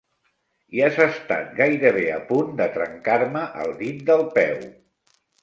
I has estat gairebé a punt de trencar-me el dit del peu.